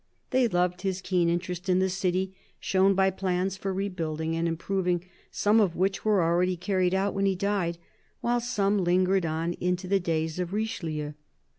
They loved his keen interest in the city, shown by plans for rebuilding and improving, some of which were already carried out when he died, while some lingered on into the days of Richelieu.